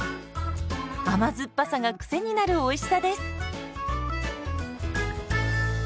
甘酸っぱさがクセになるおいしさです。